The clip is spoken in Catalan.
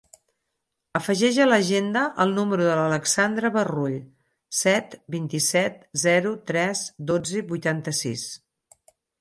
Afegeix a l'agenda el número de l'Alexandra Barrull: set, vint-i-set, zero, tres, dotze, vuitanta-sis.